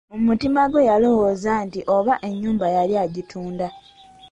Mu mutima gwe yalowooza nti oba ennyumba yali agitunda!